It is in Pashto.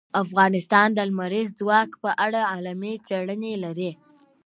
افغانستان د لمریز ځواک په اړه علمي څېړنې لري.